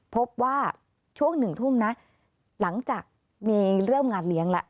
พบว่าช่วง๑ทุ่มนะหลังจากมีเริ่มงานเลี้ยงแล้ว